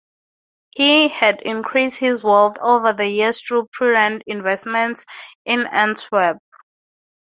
He had increased his wealth over the years through prudent investments in Antwerp.